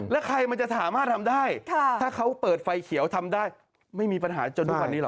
แล้วใครมันจะสามารถทำได้ถ้าเขาเปิดไฟเขียวทำได้ไม่มีปัญหาจนทุกวันนี้ห